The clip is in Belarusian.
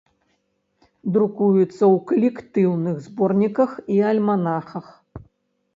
Друкуецца ў калектыўных зборніках і альманахах.